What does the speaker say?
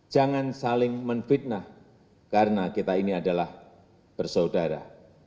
jangan saling menfitnah karena kita ini adalah bersaudara